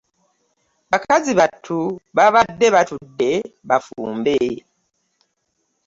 Bakazi battu baabadde batudde bafumbe.